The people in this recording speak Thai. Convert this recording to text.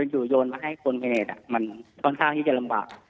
อยู่โยนมาให้คนพิเภทมันค่อนข้างที่จะลำบาก